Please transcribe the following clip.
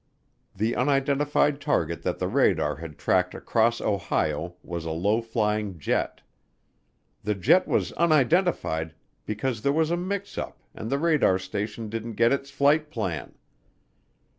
The unidentified target that the radar had tracked across Ohio was a low flying jet. The jet was unidentified because there was a mix up and the radar station didn't get its flight plan.